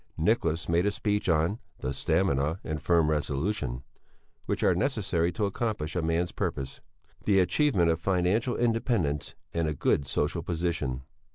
Nicholas made a speech on "the stamina and firm resolution" which are necessary to accomplish a man's purpose: the achievement of financial independence and a good social position.